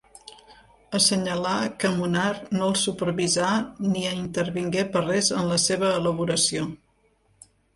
Assenyalà que Munar no els supervisà ni intervingué per res en la seva elaboració.